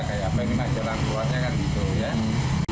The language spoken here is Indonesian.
kayak apa ini mas jalan keluarnya kan gitu ya